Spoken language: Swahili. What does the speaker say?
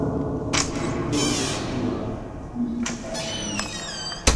kujeruhiwa wakati wa zaidi ya miezi minne ya maandamano